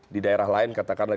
di daerah lain katakanlah